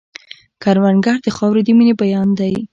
کروندګر د خاورې د مینې بیان دی